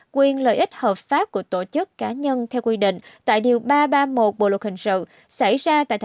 quyền lợi ích hợp pháp của tổ chức cá nhân theo quy định